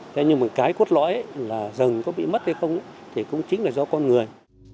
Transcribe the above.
thế nhưng mà cái cốt lõi là rừng có bị mất hay không thì cũng chính là do con người